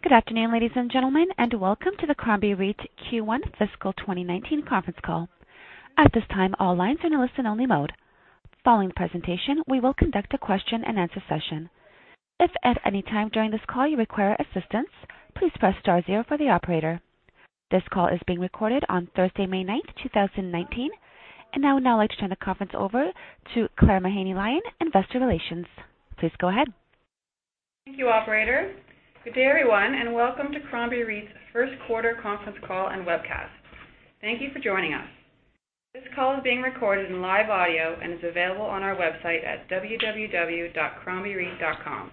Good afternoon, ladies and gentlemen, welcome to the Crombie REIT Q1 fiscal 2019 conference call. At this time, all lines are in a listen-only mode. Following the presentation, we will conduct a question-and-answer session. If at any time during this call you require assistance, please press star zero for the operator. This call is being recorded on Thursday, May 9th, 2019. I would now like to turn the conference over to Claire Mahaney-Lyon, Investor Relations. Please go ahead. Thank you, operator. Good day, everyone, welcome to Crombie REIT's first quarter conference call and webcast. Thank you for joining us. This call is being recorded in live audio and is available on our website at www.crombiereit.com.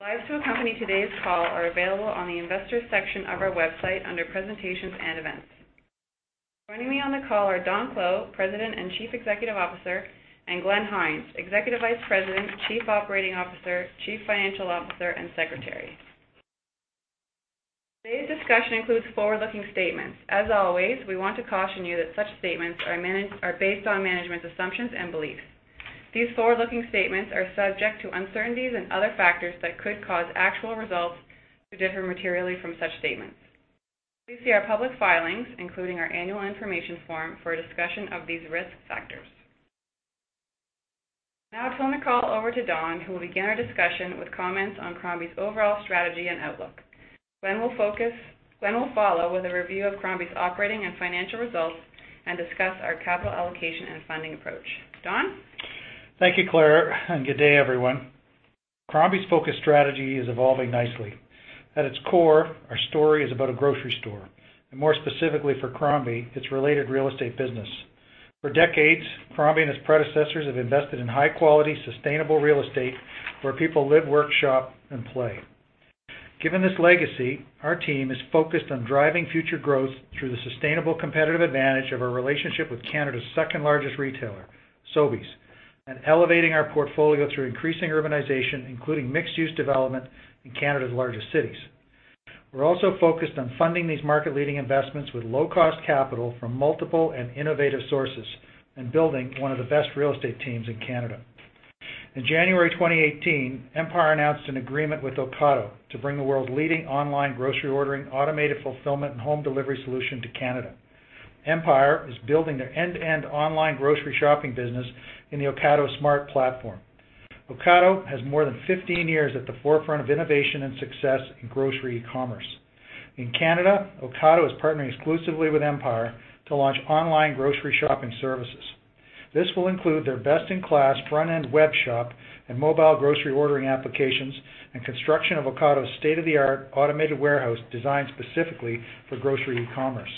Slides to accompany today's call are available on the Investors section of our website under Presentations and Events. Joining me on the call are Don Clow, President and Chief Executive Officer, and Glenn Hynes, Executive Vice President, Chief Operating Officer, Chief Financial Officer, and Secretary. Today's discussion includes forward-looking statements. Always, we want to caution you that such statements are based on management's assumptions and beliefs. These forward-looking statements are subject to uncertainties and other factors that could cause actual results to differ materially from such statements. Please see our public filings, including our annual information form, for a discussion of these risk factors. I'll turn the call over to Don, who will begin our discussion with comments on Crombie's overall strategy and outlook. Glenn will follow with a review of Crombie's operating and financial results and discuss our capital allocation and funding approach. Don? Thank you, Claire, good day, everyone. Crombie's focus strategy is evolving nicely. At its core, our story is about a grocery store, more specifically for Crombie, its related real estate business. For decades, Crombie and its predecessors have invested in high-quality, sustainable real estate where people live, work, shop, and play. Given this legacy, our team is focused on driving future growth through the sustainable competitive advantage of our relationship with Canada's second-largest retailer, Sobeys, and elevating our portfolio through increasing urbanization, including mixed-use development in Canada's largest cities. We're also focused on funding these market-leading investments with low-cost capital from multiple and innovative sources and building one of the best real estate teams in Canada. In January 2018, Empire announced an agreement with Ocado to bring the world's leading online grocery ordering, automated fulfillment, and home delivery solution to Canada. Empire is building their end-to-end online grocery shopping business in the Ocado Smart Platform. Ocado has more than 15 years at the forefront of innovation and success in grocery commerce. In Canada, Ocado is partnering exclusively with Empire to launch online grocery shopping services. This will include their best-in-class front-end web shop and mobile grocery ordering applications and construction of Ocado's state-of-the-art automated warehouse designed specifically for grocery e-commerce.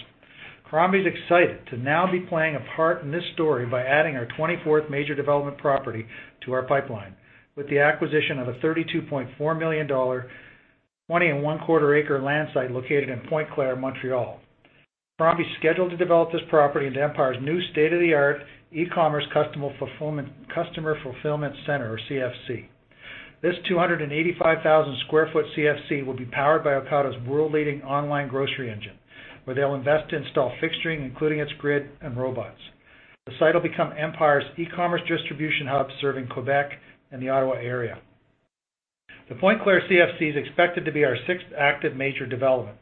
Crombie's excited to now be playing a part in this story by adding our 24th major development property to our pipeline with the acquisition of a 32.4 million dollar, 20.25-acre land site located in Pointe-Claire, Montreal. Crombie's scheduled to develop this property into Empire's new state-of-the-art e-commerce customer fulfillment center, or CFC. This 285,000 sq ft CFC will be powered by Ocado's world-leading online grocery engine, where they'll invest to install fixturing, including its grid and robots. The site will become Empire's e-commerce distribution hub, serving Quebec and the Ottawa area. The Pointe-Claire CFC is expected to be our sixth active major development.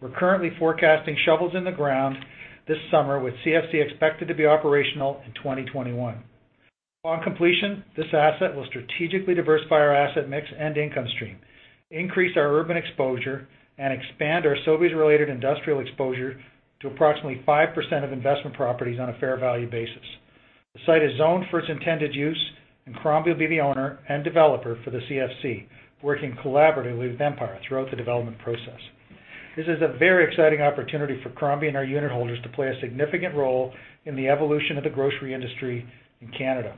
We're currently forecasting shovels in the ground this summer, with CFC expected to be operational in 2021. Upon completion, this asset will strategically diversify our asset mix and income stream, increase our urban exposure, and expand our Sobeys-related industrial exposure to approximately 5% of investment properties on a fair value basis. The site is zoned for its intended use. Crombie will be the owner and developer for the CFC, working collaboratively with Empire throughout the development process. This is a very exciting opportunity for Crombie and our unit holders to play a significant role in the evolution of the grocery industry in Canada.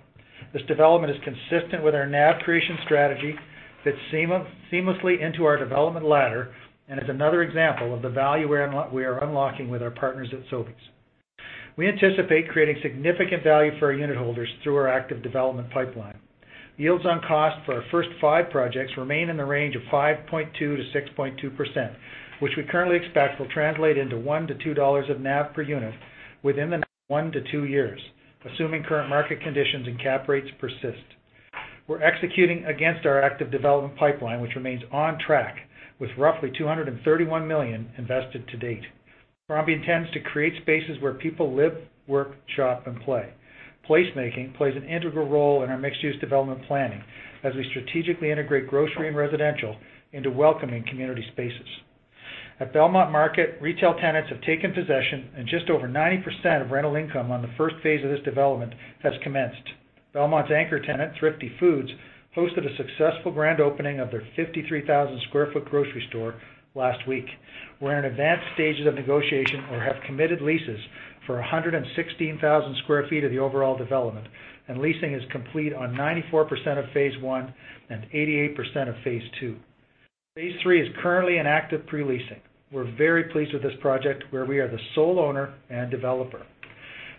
This development is consistent with our NAV creation strategy, fits seamlessly into our development ladder, and is another example of the value we are unlocking with our partners at Sobeys. We anticipate creating significant value for our unit holders through our active development pipeline. Yields on cost for our first five projects remain in the range of 5.2%-6.2%, which we currently expect will translate into 1 to 2 dollars of NAV per unit within the next one to two years, assuming current market conditions and cap rates persist. We're executing against our active development pipeline, which remains on track with roughly 231 million invested to date. Crombie intends to create spaces where people live, work, shop, and play. Placemaking plays an integral role in our mixed-use development planning as we strategically integrate grocery and residential into welcoming community spaces. At Belmont Market, retail tenants have taken possession just over 90% of rental income on the first phase of this development has commenced. Belmont's anchor tenant, Thrifty Foods, hosted a successful grand opening of their 53,000 sq ft grocery store last week. We're in advanced stages of negotiation or have committed leases for 116,000 sq ft of the overall development, leasing is complete on 94% of phase one and 88% of phase two. Phase three is currently in active pre-leasing. We're very pleased with this project where we are the sole owner and developer.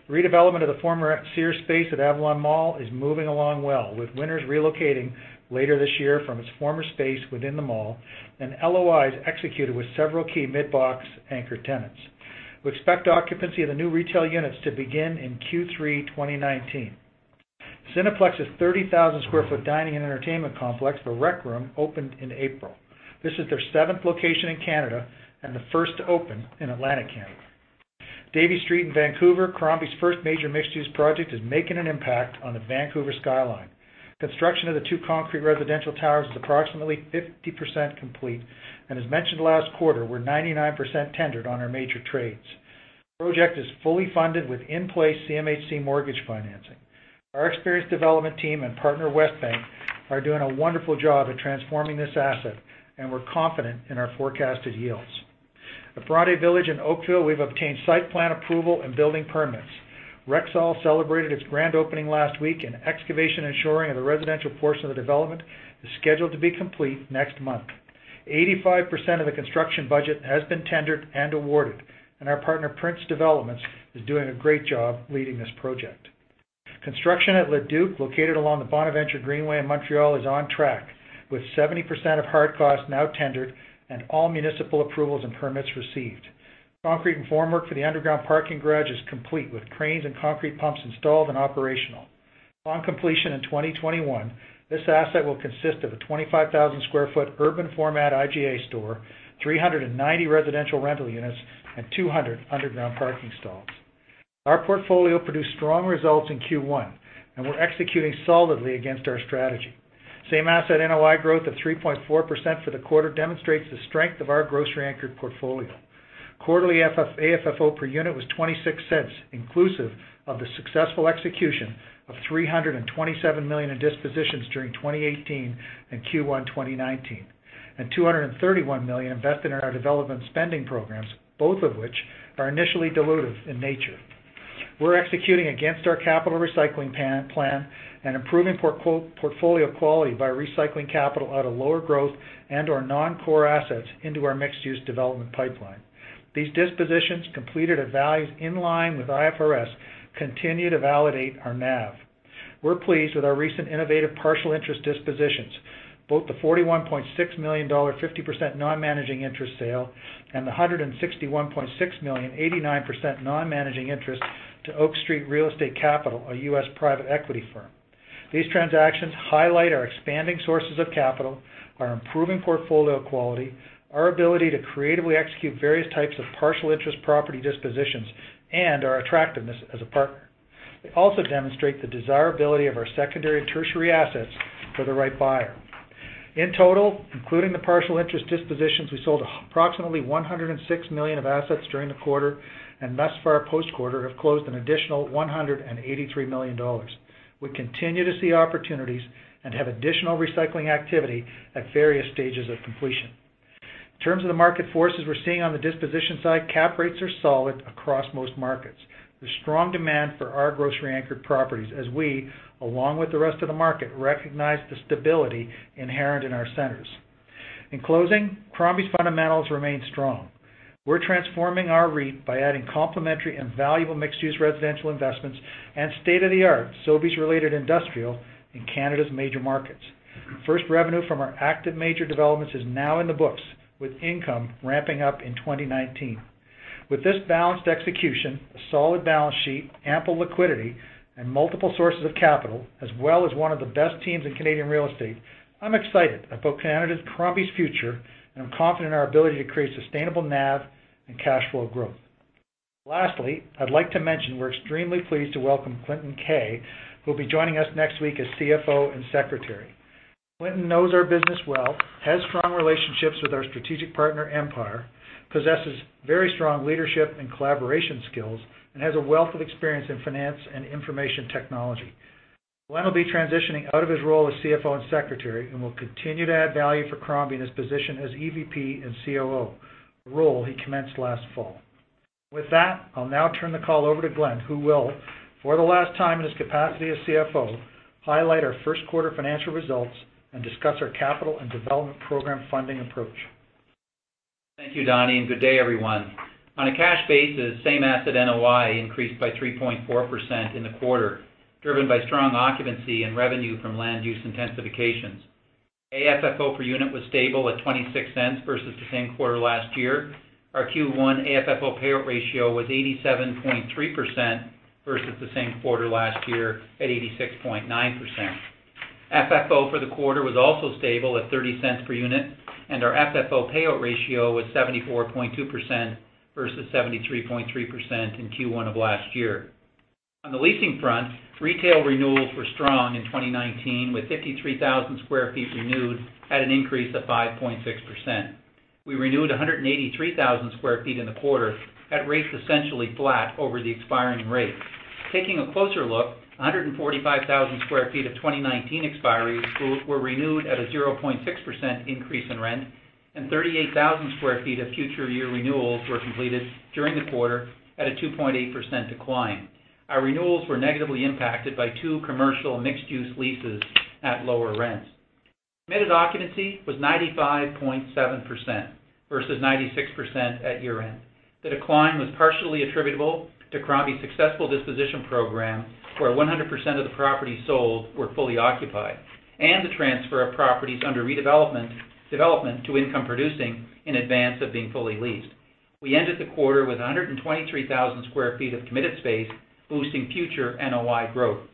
Redevelopment of the former Sears space at Avalon Mall is moving along well, with Winners relocating later this year from its former space within the mall, LOIs executed with several key mid-box anchor tenants. We expect occupancy of the new retail units to begin in Q3 2019. Cineplex's 30,000 square foot dining and entertainment complex, The Rec Room, opened in April. This is their seventh location in Canada and the first to open in Atlantic Canada. Davie Street in Vancouver, Crombie's first major mixed-use project, is making an impact on the Vancouver skyline. Construction of the 2 concrete residential towers is approximately 50% complete, and as mentioned last quarter, we're 99% tendered on our major trades. The project is fully funded with in-place CMHC mortgage financing. Our experienced development team and partner Westbank are doing a wonderful job at transforming this asset, and we're confident in our forecasted yields. At Bronte Village in Oakville, we've obtained site plan approval and building permits. Rexall celebrated its grand opening last week, and excavation and shoring of the residential portion of the development is scheduled to be complete next month. 85% of the construction budget has been tendered and awarded, and our partner, Prince Developments, is doing a great job leading this project. Construction at Le Duke, located along the Bonaventure Greenway in Montreal, is on track with 70% of hard costs now tendered and all municipal approvals and permits received. Concrete and form work for the underground parking garage is complete, with cranes and concrete pumps installed and operational. Upon completion in 2021, this asset will consist of a 25,000 square foot urban format IGA store, 390 residential rental units, and 200 underground parking stalls. Our portfolio produced strong results in Q1, and we're executing solidly against our strategy. Same asset NOI growth of 3.4% for the quarter demonstrates the strength of our grocery-anchored portfolio. Quarterly AFFO per unit was 0.26, inclusive of the successful execution of 327 million in dispositions during 2018 and Q1 2019, and 231 million invested in our development spending programs, both of which are initially dilutive in nature. We're executing against our capital recycling plan and improving portfolio quality by recycling capital out of lower growth and/or non-core assets into our mixed-use development pipeline. These dispositions, completed at values in line with IFRS, continue to validate our NAV. We're pleased with our recent innovative partial interest dispositions, both the 41.6 million dollar, 50% non-managing interest sale, and the 161.6 million, 89% non-managing interest to Oak Street Real Estate Capital, a U.S. private equity firm. These transactions highlight our expanding sources of capital, our improving portfolio quality, our ability to creatively execute various types of partial interest property dispositions, and our attractiveness as a partner. They also demonstrate the desirability of our secondary and tertiary assets for the right buyer. In total, including the partial interest dispositions, we sold approximately 106 million of assets during the quarter, and thus far post-quarter have closed an additional 183 million dollars. We continue to see opportunities and have additional recycling activity at various stages of completion. In terms of the market forces we're seeing on the disposition side, cap rates are solid across most markets. There's strong demand for our grocery-anchored properties as we, along with the rest of the market, recognize the stability inherent in our centers. In closing, Crombie's fundamentals remain strong. We're transforming our REIT by adding complementary and valuable mixed-use residential investments and state-of-the-art Sobeys-related industrial in Canada's major markets. First revenue from our active major developments is now in the books, with income ramping up in 2019. With this balanced execution, a solid balance sheet, ample liquidity, and multiple sources of capital, as well as one of the best teams in Canadian real estate, I'm excited about Crombie's future, and I'm confident in our ability to create sustainable NAV and cash flow growth. Lastly, I'd like to mention we're extremely pleased to welcome Clinton Keay, who'll be joining us next week as CFO and Secretary. Clinton knows our business well, has strong relationships with our strategic partner, Empire, possesses very strong leadership and collaboration skills, and has a wealth of experience in finance and information technology. Glenn will be transitioning out of his role as CFO and Secretary and will continue to add value for Crombie in his position as EVP and COO, a role he commenced last fall. With that, I'll now turn the call over to Glenn, who will, for the last time in his capacity as CFO, highlight our first quarter financial results and discuss our capital and development program funding approach. Thank you, Don, and good day, everyone. On a cash basis, same asset NOI increased by 3.4% in the quarter, driven by strong occupancy and revenue from land use intensifications. AFFO per unit was stable at 0.26 versus the same quarter last year. Our Q1 AFFO payout ratio was 87.3% versus the same quarter last year at 86.9%. FFO for the quarter was also stable at 0.30 per unit. Our FFO payout ratio was 74.2% versus 73.3% in Q1 of last year. On the leasing front, retail renewals were strong in 2019, with 53,000 sq ft renewed at an increase of 5.6%. We renewed 183,000 sq ft in the quarter at rates essentially flat over the expiring rates. Taking a closer look, 145,000 sq ft of 2019 expiries were renewed at a 0.6% increase in rent. 38,000 sq ft of future year renewals were completed during the quarter at a 2.8% decline. Our renewals were negatively impacted by two commercial mixed-use leases at lower rents. Committed occupancy was 95.7% versus 96% at year-end. The decline was partially attributable to Crombie's successful disposition program, where 100% of the properties sold were fully occupied, and the transfer of properties under redevelopment to income-producing in advance of being fully leased. We ended the quarter with 123,000 sq ft of committed space, boosting future NOI growth.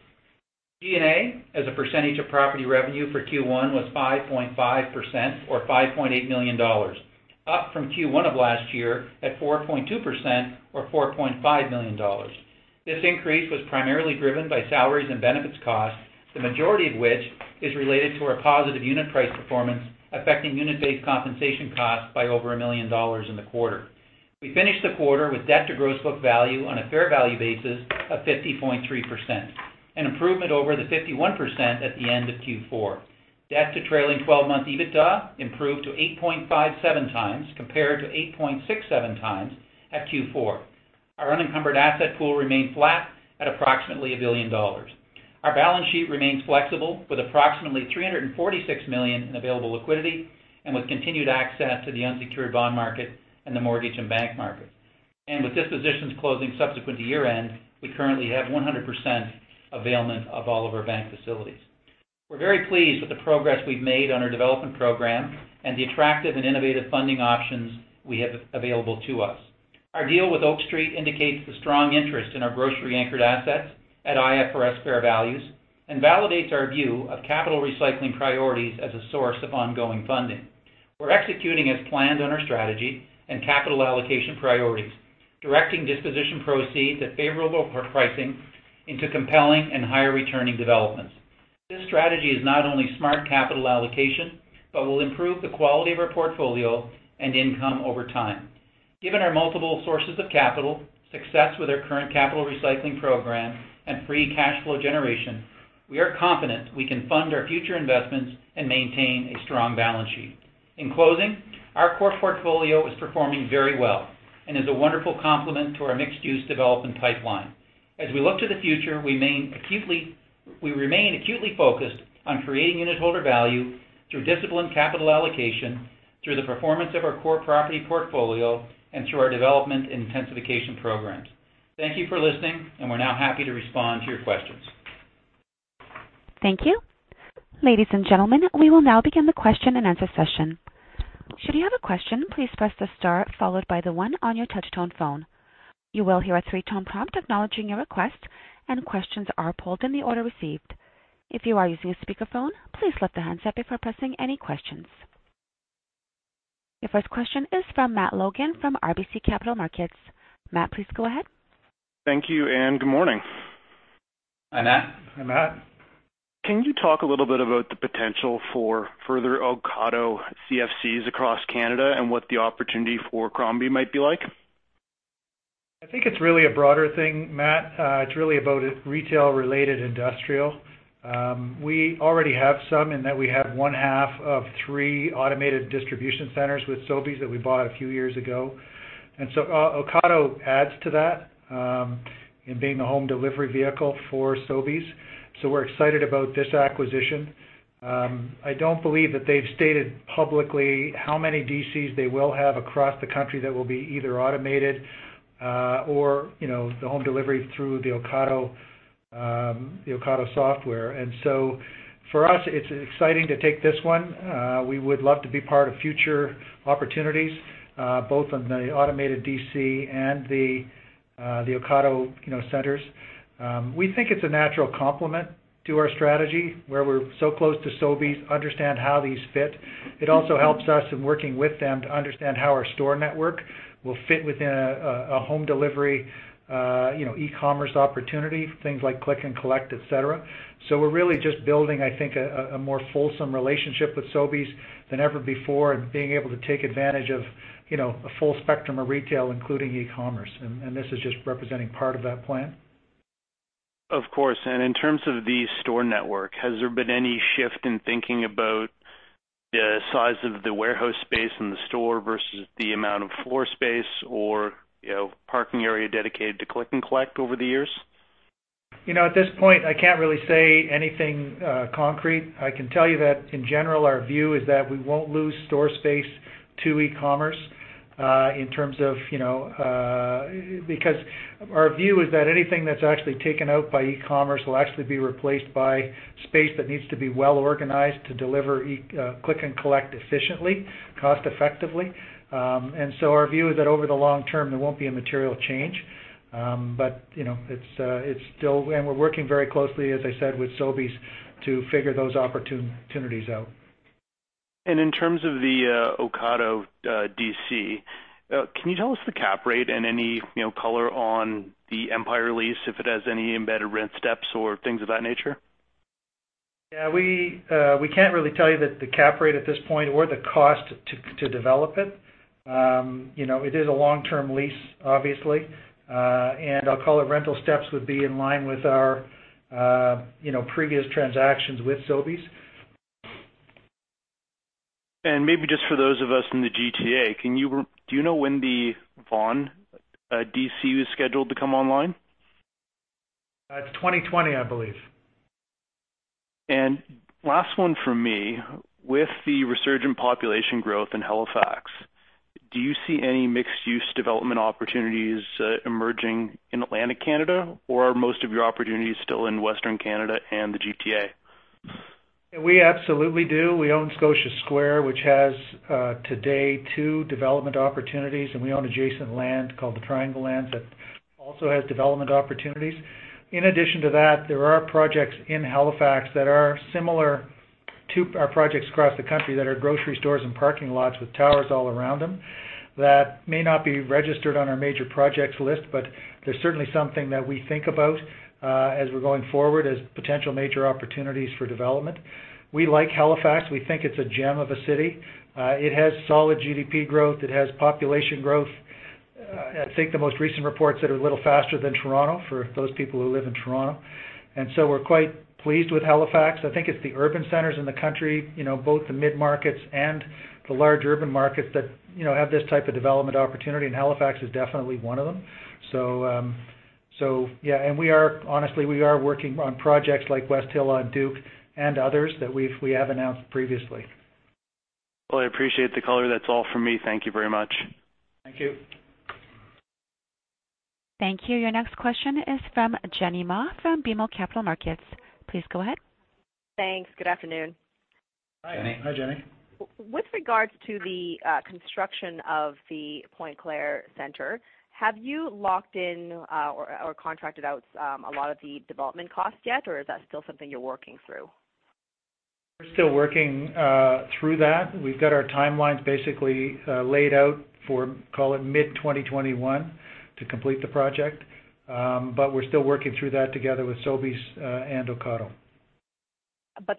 G&A as a percentage of property revenue for Q1 was 5.5%, or 5.8 million dollars, up from Q1 of last year at 4.2%, or 4.5 million dollars. This increase was primarily driven by salaries and benefits costs, the majority of which is related to our positive unit price performance, affecting unit-based compensation costs by over 1 million dollars in the quarter. We finished the quarter with debt to gross book value on a fair value basis of 50.3%, an improvement over the 51% at the end of Q4. Debt to trailing 12-month EBITDA improved to 8.57 times compared to 8.67 times at Q4. Our unencumbered asset pool remained flat at approximately 1 billion dollars. Our balance sheet remains flexible, with approximately 346 million in available liquidity and with continued access to the unsecured bond market and the mortgage and bank market. With dispositions closing subsequent to year-end, we currently have 100% availment of all of our bank facilities. We are very pleased with the progress we have made on our development program and the attractive and innovative funding options we have available to us. Our deal with Oak Street indicates the strong interest in our grocery-anchored assets at IFRS fair values and validates our view of capital recycling priorities as a source of ongoing funding. We are executing as planned on our strategy and capital allocation priorities, directing disposition proceeds at favorable pricing into compelling and higher-returning developments. This strategy is not only smart capital allocation, but will improve the quality of our portfolio and income over time. Given our multiple sources of capital, success with our current capital recycling program, and free cash flow generation, we are confident we can fund our future investments and maintain a strong balance sheet. In closing, our core portfolio is performing very well and is a wonderful complement to our mixed-use development pipeline. As we look to the future, we remain acutely focused on creating unitholder value through disciplined capital allocation, through the performance of our core property portfolio, and through our development intensification programs. Thank you for listening, and we are now happy to respond to your questions. Thank you. Ladies and gentlemen, we will now begin the question-and-answer session. Should you have a question, please press the star followed by the one on your touch-tone phone. You will hear a three-tone prompt acknowledging your request, and questions are polled in the order received. If you are using a speakerphone, please lift the handset before pressing any questions. Your first question is from Matt Logan from RBC Capital Markets. Matt, please go ahead. Thank you, good morning. Hi, Matt. Hi, Matt. Can you talk a little bit about the potential for further Ocado CFCs across Canada and what the opportunity for Crombie might be like? I think it's really a broader thing, Matt. It's really about retail-related industrial. We already have some in that we have one half of 3 automated distribution centers with Sobeys that we bought a few years ago. Ocado adds to that in being the home delivery vehicle for Sobeys. We're excited about this acquisition. I don't believe that they've stated publicly how many DCs they will have across the country that will be either automated, or the home delivery through the Ocado software. For us, it's exciting to take this one. We would love to be part of future opportunities, both on the automated DC and the Ocado centers. We think it's a natural complement to our strategy, where we're so close to Sobeys, understand how these fit. It also helps us in working with them to understand how our store network will fit within a home delivery, e-commerce opportunity, things like click and collect, et cetera. We're really just building, I think, a more fulsome relationship with Sobeys than ever before and being able to take advantage of a full spectrum of retail, including e-commerce. This is just representing part of that plan. Of course. In terms of the store network, has there been any shift in thinking about the size of the warehouse space in the store versus the amount of floor space or parking area dedicated to click and collect over the years? At this point, I can't really say anything concrete. I can tell you that in general, our view is that we won't lose store space to e-commerce. Our view is that anything that's actually taken out by e-commerce will actually be replaced by space that needs to be well organized to deliver click and collect efficiently, cost-effectively. Our view is that over the long term, there won't be a material change. We're working very closely, as I said, with Sobeys to figure those opportunities out. In terms of the Ocado DC, can you tell us the cap rate and any color on the Empire lease, if it has any embedded rent steps or things of that nature? Yeah. We can't really tell you the cap rate at this point or the cost to develop it. It is a long-term lease, obviously. I'll call it rental steps would be in line with our previous transactions with Sobeys. Maybe just for those of us in the GTA, do you know when the Vaughan DC is scheduled to come online? It's 2020, I believe. Last one from me. With the resurgent population growth in Halifax, do you see any mixed-use development opportunities emerging in Atlantic Canada, or are most of your opportunities still in Western Canada and the GTA? We absolutely do. We own Scotia Square, which has, today, two development opportunities, and we own adjacent land called the Triangle Lands that also has development opportunities. In addition to that, there are projects in Halifax that are similar to our projects across the country that are grocery stores and parking lots with towers all around them that may not be registered on our major projects list, but they're certainly something that we think about as we're going forward as potential major opportunities for development. We like Halifax. We think it's a gem of a city. It has solid GDP growth. It has population growth. I think the most recent reports that are a little faster than Toronto, for those people who live in Toronto. We're quite pleased with Halifax. I think it's the urban centers in the country, both the mid-markets and the large urban markets that have this type of development opportunity, and Halifax is definitely one of them. Yeah. Honestly, we are working on projects like Westhill on Duke and others that we have announced previously. Well, I appreciate the color. That's all from me. Thank you very much. Thank you. Thank you. Your next question is from Jenny Ma from BMO Capital Markets. Please go ahead. Thanks. Good afternoon. Hi. Jenny. Hi, Jenny. With regards to the construction of the Pointe-Claire center, have you locked in or contracted out a lot of the development costs yet, or is that still something you're working through? We're still working through that. We've got our timelines basically laid out for, call it, mid-2021 to complete the project. We're still working through that together with Sobeys and Ocado.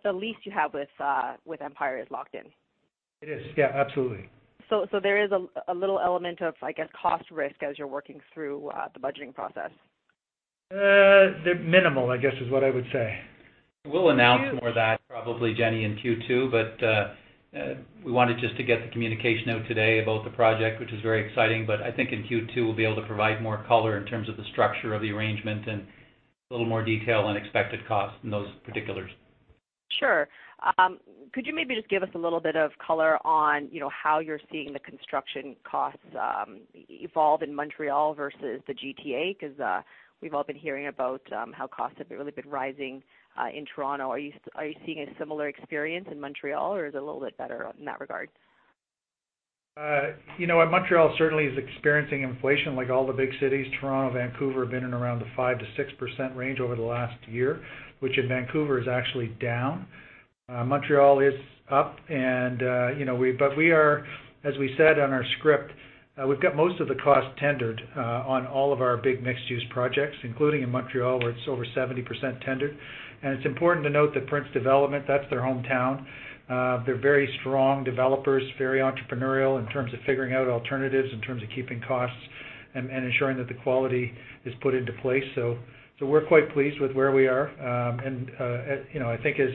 The lease you have with Empire is locked in? It is, yeah. Absolutely. There is a little element of, I guess, cost risk as you're working through the budgeting process. Minimal, I guess, is what I would say. We'll announce more of that probably, Jenny, in Q2, we wanted just to get the communication out today about the project, which is very exciting. I think in Q2, we'll be able to provide more color in terms of the structure of the arrangement and a little more detail on expected costs and those particulars. Sure. Could you maybe just give us a little bit of color on how you're seeing the construction costs evolve in Montreal versus the GTA? We've all been hearing about how costs have really been rising in Toronto. Are you seeing a similar experience in Montreal, or is it a little bit better in that regard? Montreal certainly is experiencing inflation like all the big cities. Toronto, Vancouver have been in around the 5%-6% range over the last year, which in Vancouver is actually down. Montreal is up. We are, as we said on our script, we've got most of the cost tendered on all of our big mixed-use projects, including in Montreal, where it's over 70% tendered. It's important to note that Prince Developments, that's their hometown. They're very strong developers, very entrepreneurial in terms of figuring out alternatives, in terms of keeping costs and ensuring that the quality is put into place. We're quite pleased with where we are. I think as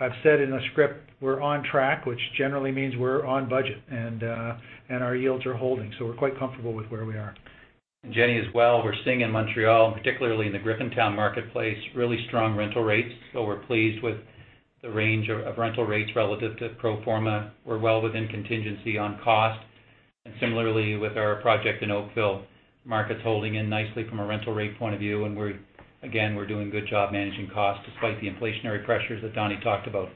I've said in the script, we're on track, which generally means we're on budget and our yields are holding. We're quite comfortable with where we are. Jenny, as well, we're seeing in Montreal, and particularly in the Griffintown marketplace, really strong rental rates. We're pleased with the range of rental rates relative to pro forma. We're well within contingency on cost. Similarly, with our project in Oakville, market's holding in nicely from a rental rate point of view, and again, we're doing a good job managing costs despite the inflationary pressures that Donnie talked about.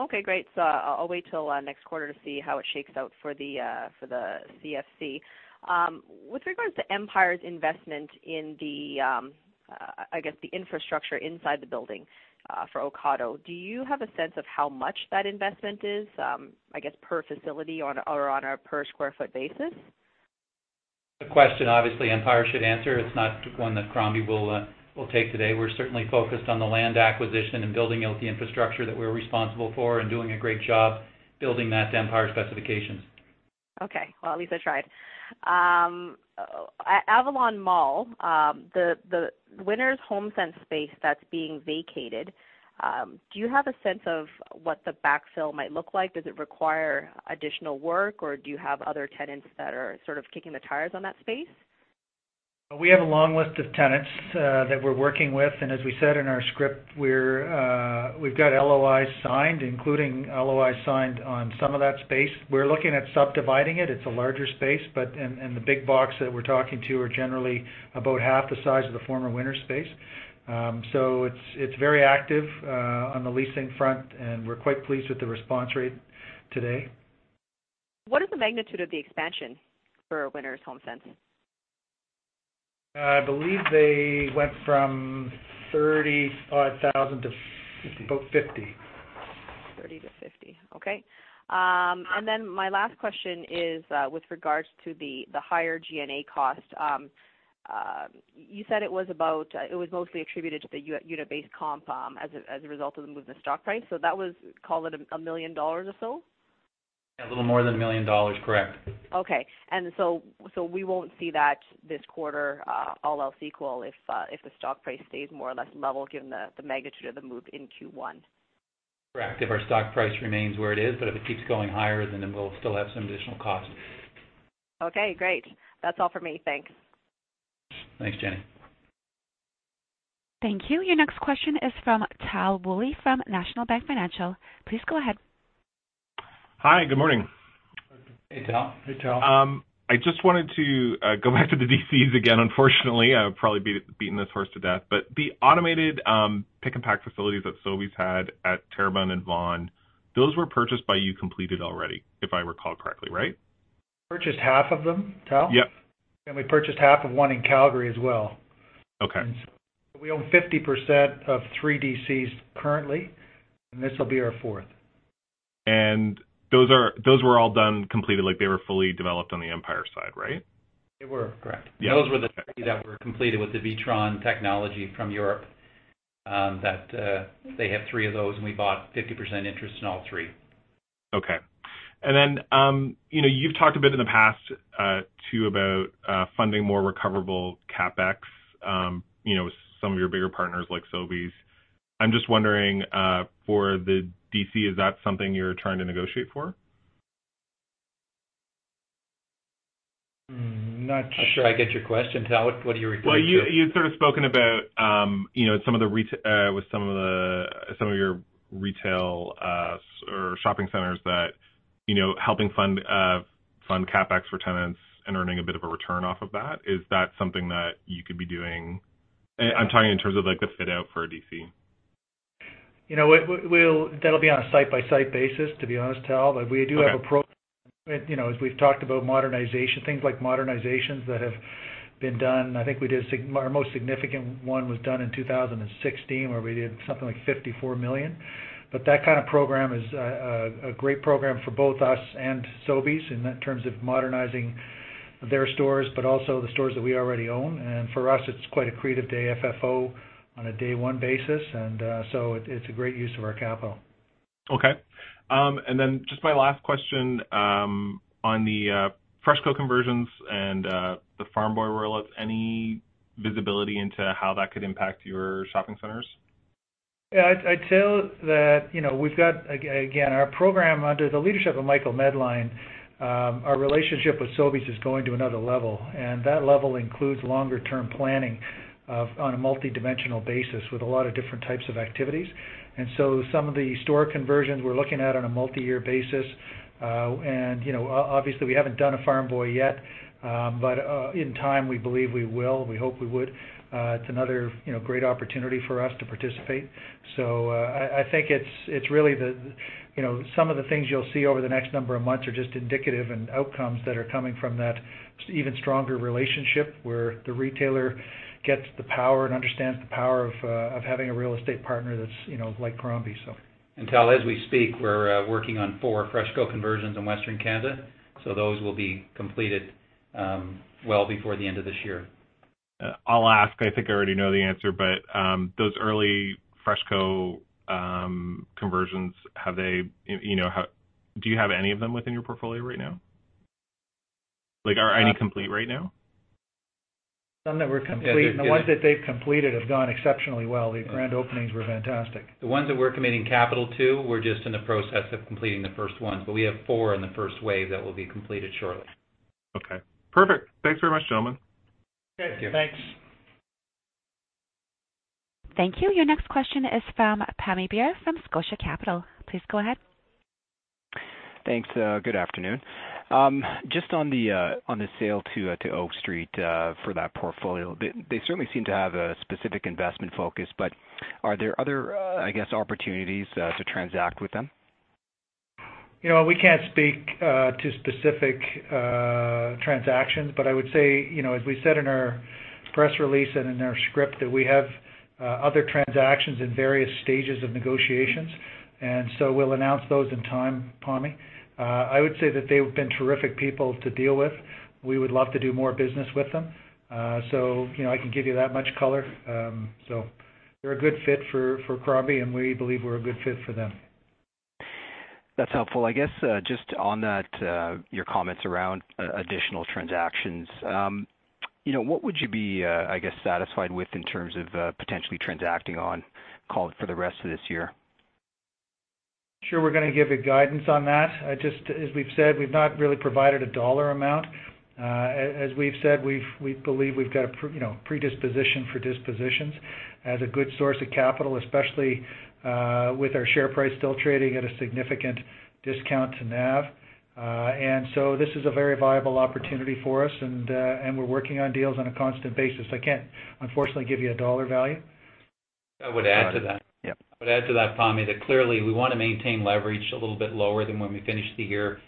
Okay, great. I'll wait till next quarter to see how it shakes out for the CFC. With regards to Empire's investment in the, I guess, the infrastructure inside the building for Ocado, do you have a sense of how much that investment is per facility or on a per square foot basis? A question obviously Empire should answer. It's not one that Crombie will take today. We're certainly focused on the land acquisition and building out the infrastructure that we're responsible for and doing a great job building that to Empire specifications. Okay. Well, at least I tried. Avalon Mall, the Winners HomeSense space that's being vacated, do you have a sense of what the backfill might look like? Does it require additional work, or do you have other tenants that are sort of kicking the tires on that space? We have a long list of tenants that we're working with. As we said in our script, we've got LOIs signed, including LOIs signed on some of that space. We're looking at subdividing it. It's a larger space. The big box that we're talking to are generally about half the size of the former Winners space. It's very active on the leasing front, and we're quite pleased with the response rate today. What is the magnitude of the expansion for Winners HomeSense? I believe they went from 30-odd thousand to- 50 about 50. 30-50. Okay. My last question is with regards to the higher G&A cost. You said it was mostly attributed to the unit-based comp as a result of the movement stock price. That was, call it, 1 million dollars or so? Yeah, a little more than 1 million dollars. Correct. Okay. We won't see that this quarter all else equal if the stock price stays more or less level given the magnitude of the move in Q1. Correct. If our stock price remains where it is, but if it keeps going higher, then we'll still have some additional costs. Okay, great. That's all for me. Thanks. Thanks, Jenny. Thank you. Your next question is from Tal Woolley from National Bank Financial. Please go ahead. Hi, good morning. Hey, Tal. Hey, Tal. I just wanted to go back to the DCs again, unfortunately. I'll probably be beating this horse to death, but the automated pick and pack facilities that Sobeys had at Terrebonne and Vaughan, those were purchased by you completed already, if I recall correctly, right? Purchased half of them, Tal. Yep. We purchased half of one in Calgary as well. Okay. We own 50% of three DCs currently, and this'll be our fourth. Those were all done completed, like they were fully developed on the Empire side, right? They were, correct. Yeah. Okay. Those were the three that were completed with the WITRON technology from Europe. They have three of those, and we bought 50% interest in all three. Okay. You've talked a bit in the past too about funding more recoverable CapEx, with some of your bigger partners like Sobeys. I'm just wondering, for the DC, is that something you're trying to negotiate for? Not sure- I'm not sure I get your question, Tal. What are you referring to? Well, you'd sort of spoken about with some of your retail or shopping centers that, helping fund CapEx for tenants and earning a bit of a return off of that. Is that something that you could be doing? I'm talking in terms of the fit-out for a DC. That'll be on a site-by-site basis, to be honest, Tal. Okay. We do have approach, as we've talked about modernization, things like modernizations that have been done. I think our most significant one was done in 2016 where we did something like 54 million. That kind of program is a great program for both us and Sobeys in terms of modernizing their stores, but also the stores that we already own. For us, it's quite accretive to AFFO on a day one basis. It's a great use of our capital. Okay. My last question, on the FreshCo conversions and the Farm Boy roll-ups, any visibility into how that could impact your shopping centers? Yeah, I'd tell that we've got, again, our program under the leadership of Michael Medline, our relationship with Sobeys is going to another level, and that level includes longer-term planning on a multidimensional basis with a lot of different types of activities. Some of the store conversions we're looking at on a multi-year basis. Obviously we haven't done a Farm Boy yet, but, in time, we believe we will. We hope we would. It's another great opportunity for us to participate. I think it's really some of the things you'll see over the next number of months are just indicative and outcomes that are coming from that even stronger relationship where the retailer gets the power and understands the power of having a real estate partner that's like Crombie. Tal, as we speak, we're working on four FreshCo conversions in Western Canada, so those will be completed well before the end of this year. I'll ask, I think I already know the answer, but those early FreshCo conversions, do you have any of them within your portfolio right now? Are any complete right now? Some that were complete- The ones that they've completed have gone exceptionally well. The grand openings were fantastic. The ones that we're committing capital to, we're just in the process of completing the first ones, but we have four in the first wave that will be completed shortly. Okay, perfect. Thanks very much, gentlemen. Great. Thank you. Thanks. Thank you. Your next question is from Pammi Bir from Scotia Capital. Please go ahead. Thanks. Good afternoon. Just on the sale to Oak Street, for that portfolio, they certainly seem to have a specific investment focus, but are there other, I guess, opportunities to transact with them? We can't speak to specific transactions. I would say, as we said in our press release and in our script, that we have other transactions in various stages of negotiations. We'll announce those in time, Pammi. I would say that they've been terrific people to deal with. We would love to do more business with them. I can give you that much color. They're a good fit for Crombie, and we believe we're a good fit for them. That's helpful. I guess, just on that, your comments around additional transactions. What would you be, I guess, satisfied with in terms of potentially transacting on call for the rest of this year? Sure, we're going to give you guidance on that. Just as we've said, we've not really provided a dollar amount. As we've said, we believe we've got a predisposition for dispositions as a good source of capital, especially with our share price still trading at a significant discount to NAV. This is a very viable opportunity for us and we're working on deals on a constant basis. I can't unfortunately give you a dollar value. I would add to that. Yeah. I would add to that, Pammi, that clearly we want to maintain leverage a little bit lower than when we finished the year.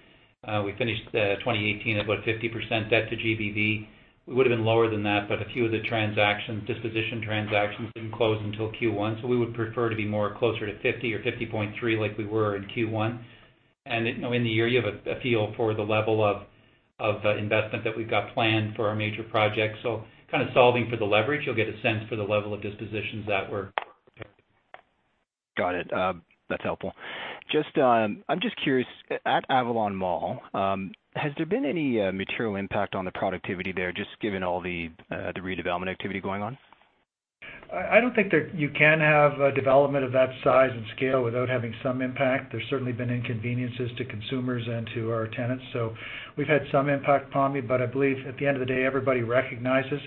We finished 2018 at about 50% debt to GBV. We would've been lower than that, but a few of the disposition transactions didn't close until Q1. We would prefer to be more closer to 50 or 50.3 like we were in Q1. In the year, you have a feel for the level of investment that we've got planned for our major projects. Kind of solving for the leverage, you'll get a sense for the level of dispositions that we're Got it. That's helpful. I'm just curious, at Avalon Mall, has there been any material impact on the productivity there, just given all the redevelopment activity going on? I don't think that you can have a development of that size and scale without having some impact. There's certainly been inconveniences to consumers and to our tenants. We've had some impact, Pammi, but I believe at the end of the day, everybody recognizes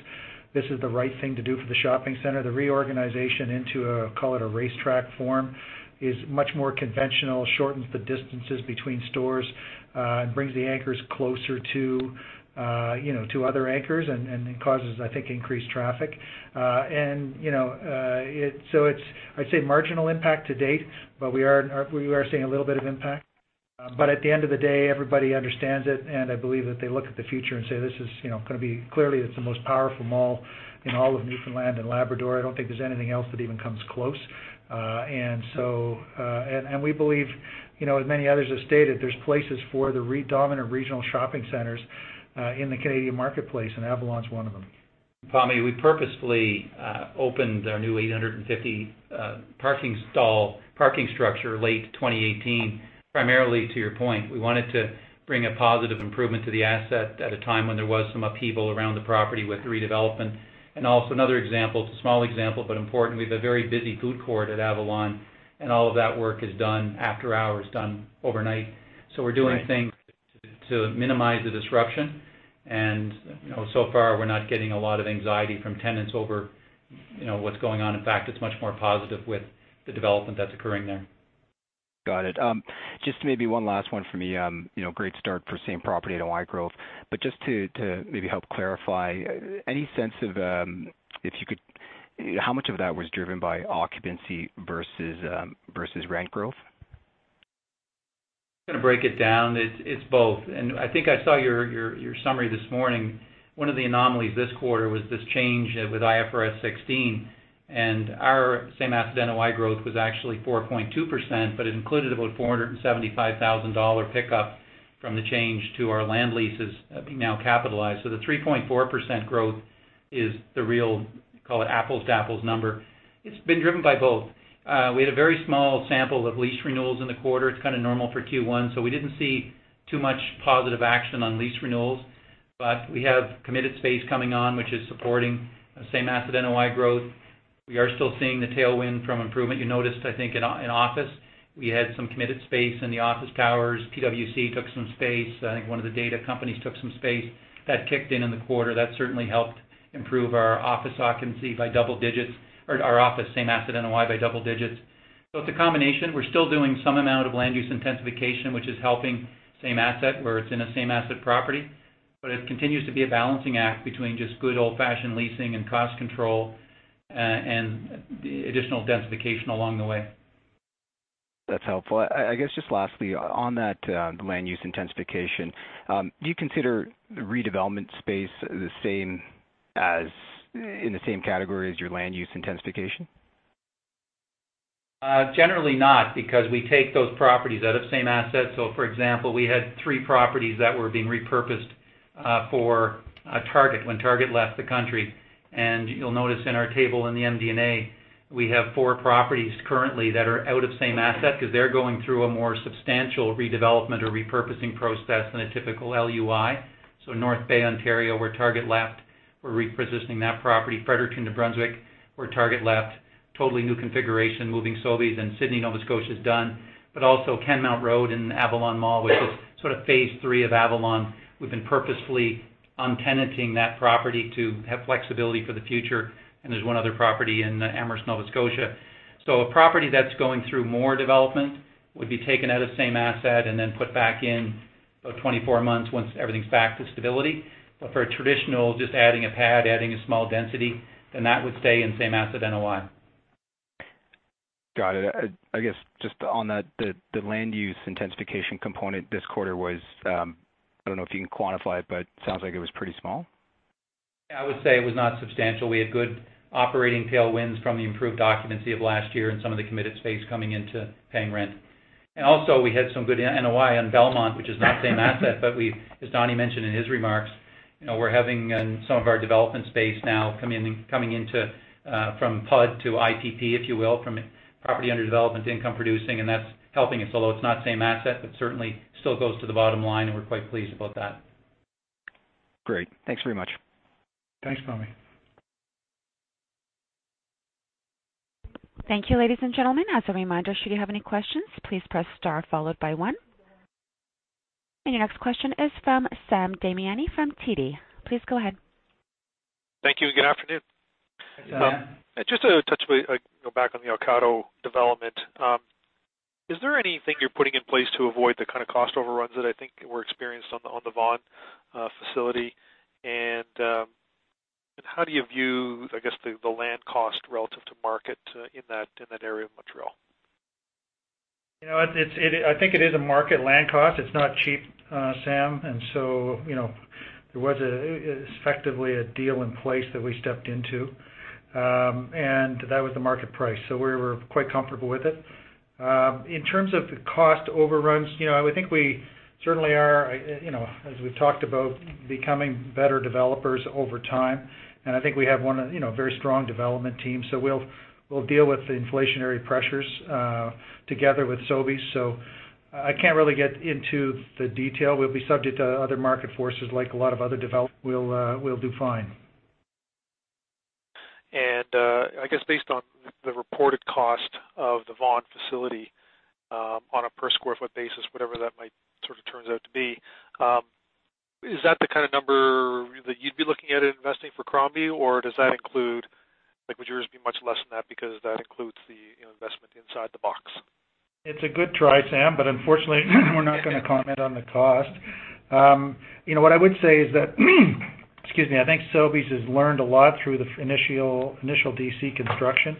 this is the right thing to do for the shopping center. The reorganization into a, call it a racetrack form, is much more conventional, shortens the distances between stores, and brings the anchors closer to other anchors and causes, I think, increased traffic. It's, I'd say, marginal impact to date, but we are seeing a little bit of impact. At the end of the day, everybody understands it, and I believe that they look at the future and say, "Clearly, it's the most powerful mall in all of Newfoundland and Labrador." I don't think there's anything else that even comes close. We believe, as many others have stated, there's places for the predominant regional shopping centers in the Canadian marketplace, and Avalon's one of them. Pammi, we purposefully opened our new 850 parking stall parking structure late 2018, primarily to your point. We wanted to bring a positive improvement to the asset at a time when there was some upheaval around the property with the redevelopment. Another example, it's a small example, but important. We have a very busy food court at Avalon, and all of that work is done after hours, done overnight. We're doing things to minimize the disruption. So far we're not getting a lot of anxiety from tenants over what's going on. In fact, it's much more positive with the development that's occurring there. Got it. Just maybe one last one from me. Great start for same property NOI growth. Just to maybe help clarify, any sense of how much of that was driven by occupancy versus rent growth? I'm going to break it down. It's both. I think I saw your summary this morning. One of the anomalies this quarter was this change with IFRS 16, and our same asset NOI growth was actually 4.2%, but it included about 475,000 dollar pickup from the change to our land leases being now capitalized. The 3.4% growth is the real, call it apples to apples number. It's been driven by both. We had a very small sample of lease renewals in the quarter. It's kind of normal for Q1, we didn't see too much positive action on lease renewals. We have committed space coming on, which is supporting same asset NOI growth. We are still seeing the tailwind from improvement. You noticed, I think, in office, we had some committed space in the office towers. PwC took some space. I think one of the data companies took some space. That kicked in in the quarter. That certainly helped improve our office NOI by double digits. It's a combination. We're still doing some amount of land use intensification, which is helping same asset where it's in a same asset property. It continues to be a balancing act between just good old-fashioned leasing and cost control, and additional densification along the way. That's helpful. I guess just lastly, on that land use intensification, do you consider the redevelopment space in the same category as your land use intensification? Generally not, because we take those properties out of same asset. For example, we had three properties that were being repurposed for Target when Target left the country. You'll notice in our table in the MD&A, we have four properties currently that are out of same asset because they're going through a more substantial redevelopment or repurposing process than a typical LUI. North Bay, Ontario, where Target left, we're repositioning that property. Fredericton, New Brunswick, where Target left, totally new configuration, moving Sobeys. Sydney, Nova Scotia is done. Also Kenmount Road in Avalon Mall, which is sort of phase 3 of Avalon. We've been purposefully untenanting that property to have flexibility for the future. There's one other property in Amherst, Nova Scotia. A property that's going through more development would be taken out of same asset and then put back in about 24 months once everything's back to stability. For a traditional, just adding a pad, adding a small density, then that would stay in same asset NOI. Got it. I guess just on the land use intensification component this quarter was, I don't know if you can quantify it, but sounds like it was pretty small. Yeah, I would say it was not substantial. We had good operating tailwinds from the improved occupancy of last year and some of the committed space coming into paying rent. Also we had some good NOI on Belmont, which is not same asset, but as Donnie mentioned in his remarks, we're having some of our development space now coming into from PUD to ITP, if you will, from property under development to income producing, and that's helping us. Although it's not same asset, but certainly still goes to the bottom line and we're quite pleased about that. Great. Thanks very much. Thanks, Pammi. Thank you, ladies and gentlemen. As a reminder, should you have any questions, please press star followed by one. Your next question is from Sam Damiani from TD. Please go ahead. Thank you, and good afternoon. Hi, Sam. Just to touch back on the Ocado development. Is there anything you're putting in place to avoid the kind of cost overruns that I think were experienced on the Vaughan facility? How do you view, I guess, the land cost relative to market in that area of Montreal? I think it is a market land cost. It's not cheap, Sam. There was effectively a deal in place that we stepped into. That was the market price, we were quite comfortable with it. In terms of cost overruns, I would think we certainly are, as we've talked about, becoming better developers over time. I think we have one of the very strong development teams. We'll deal with the inflationary pressures together with Sobeys. I can't really get into the detail. We'll be subject to other market forces like a lot of other developers. We'll do fine. I guess based on the reported cost of the Vaughan facility on a per square foot basis, whatever that might sort of turns out to be, is that the kind of number that you'd be looking at investing for Crombie? Or does that include, would yours be much less than that because that includes the investment inside the box? It's a good try, Sam, unfortunately, we're not going to comment on the cost. What I would say is that, excuse me, I think Sobeys has learned a lot through the initial DC construction.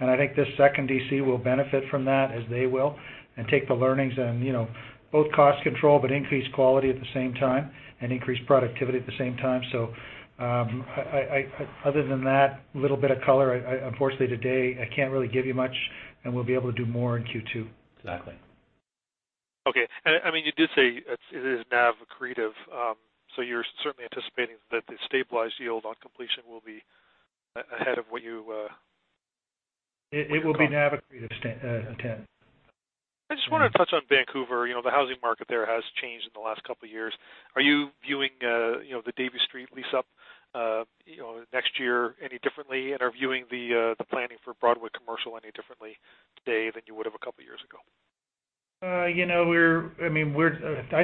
I think this second DC will benefit from that as they will, and take the learnings on both cost control, but increase quality at the same time, and increase productivity at the same time. Other than that little bit of color, unfortunately today, I can't really give you much, and we'll be able to do more in Q2. Exactly. Okay. You did say it is NAV accretive. You're certainly anticipating that the stabilized yield on completion will be ahead of. It will be NAV accretive, Sam. I just want to touch on Vancouver. The housing market there has changed in the last couple of years. Are you viewing the Davie Street lease up next year any differently? Are you viewing the planning for Broadway Commercial any differently today than you would've a couple of years ago? I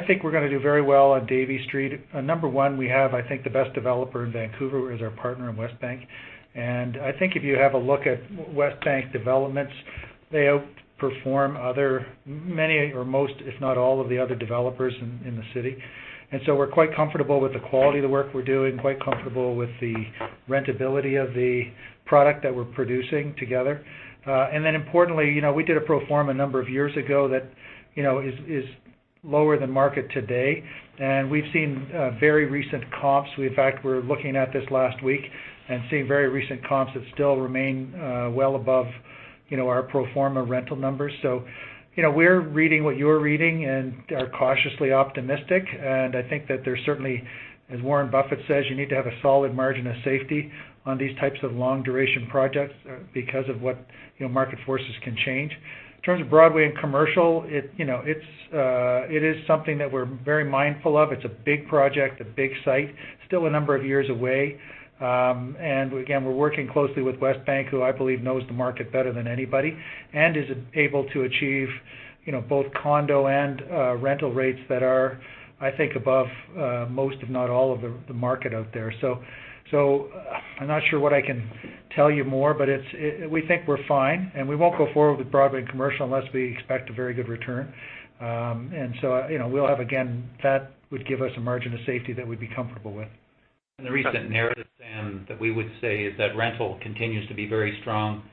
think we're going to do very well on Davie Street. Number one, we have, I think, the best developer in Vancouver, who is our partner in Westbank. I think if you have a look at Westbank developments, they outperform other many or most, if not all of the other developers in the city. We're quite comfortable with the quality of the work we're doing, quite comfortable with the rentability of the product that we're producing together. Importantly, we did a pro forma a number of years ago that is lower than market today. We've seen very recent comps. In fact, we were looking at this last week and seeing very recent comps that still remain well above our pro forma rental numbers. We're reading what you're reading and are cautiously optimistic. I think that there's certainly, as Warren Buffett says, you need to have a solid margin of safety on these types of long-duration projects because of what market forces can change. In terms of Broadway and Commercial, it is something that we're very mindful of. It's a big project, a big site. Still a number of years away. Again, we're working closely with Westbank, who I believe knows the market better than anybody, and is able to achieve both condo and rental rates that are, I think above most, if not all of the market out there. I'm not sure what I can tell you more, but we think we're fine, and we won't go forward with Broadway and Commercial unless we expect a very good return. We'll have, again, that would give us a margin of safety that we'd be comfortable with. The recent narrative, Sam, that we would say is that rental continues to be very strong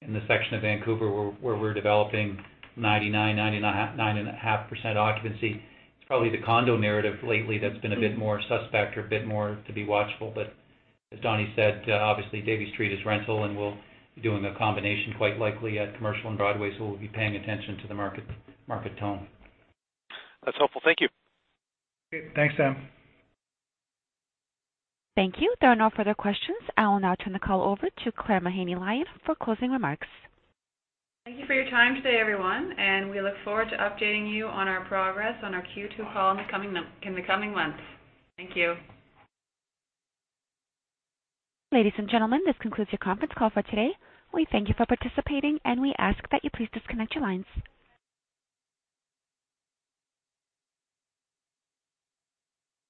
in the section of Vancouver where we're developing 99%-99.5% occupancy. It's probably the condo narrative lately that's been a bit more suspect or a bit more to be watchful. As Donnie said, obviously Davie Street is rental, and we'll be doing a combination quite likely at Commercial and Broadway. We'll be paying attention to the market tone. That's helpful. Thank you. Great. Thanks, Sam. Thank you. There are no further questions. I will now turn the call over to Claire Mahaney-Lyon for closing remarks. Thank you for your time today, everyone, and we look forward to updating you on our progress on our Q2 call in the coming months. Thank you. Ladies and gentlemen, this concludes your conference call for today. We thank you for participating, and we ask that you please disconnect your lines.